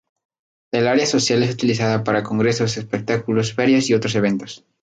El área social es utilizada para congresos, espectáculos, ferias y otros eventos.